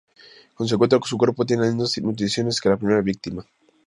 Cuando se encuentra su cuerpo, tiene las mismas mutilaciones que la primera víctima.